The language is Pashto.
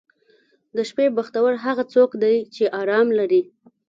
• د شپې بختور هغه څوک دی چې آرام لري.